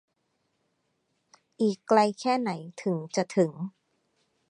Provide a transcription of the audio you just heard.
อีกไกลแค่ไหนถึงจะถึง